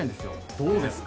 どうですか？